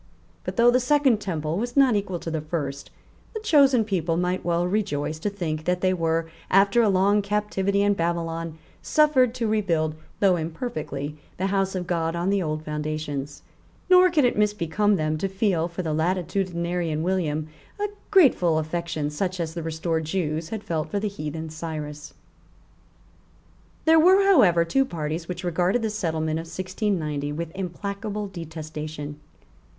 But, though the second temple was not equal to the first, the chosen people might well rejoice to think that they were, after a long captivity in Babylon, suffered to rebuild, though imperfectly, the House of God on the old foundations; nor could it misbecome them to feel for the latitudinarian William a grateful affection such as the restored Jews had felt for the heathen Cyrus. There were however two parties which regarded the settlement of 1690 with implacable detestation.